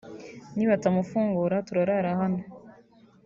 nibatamufungura turara hano